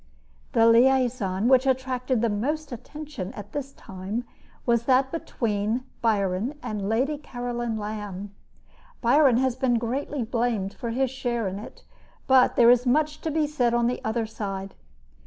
The liaison which attracted the most attention at this time was that between Byron and Lady Caroline Lamb. Byron has been greatly blamed for his share in it; but there is much to be said on the other side.